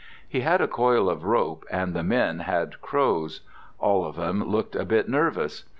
He had a coil of rope and the men had crows. All of 'em looked a bit nervous.